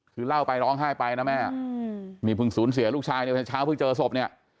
คือเล่าไปร้องไห้ไปนะแม่นี่เพิ่งสูญเสียลูกชายเนี่ยเช้าเพิ่งเจอศพเนี่ย